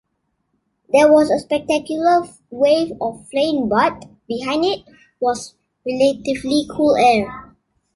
There was a spectacular wave of flame but, behind it, was relatively cool air.